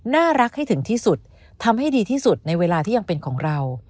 น่ารักให้ถึงที่สุดทำให้ดีที่สุดในเวลาที่ยังเป็นของเรา